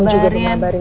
kamu juga belum ngabarin